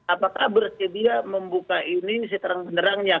apakah bersedia membuka ini seterang benerangnya